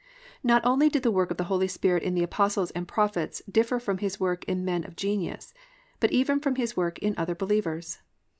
Not only did the work of the Holy Spirit in the apostles and prophets differ from His work in men of genius, but even from His work in other believers.